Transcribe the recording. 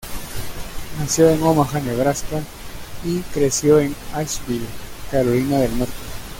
Nació en Omaha, Nebraska, y creció en Asheville, Carolina del Norte.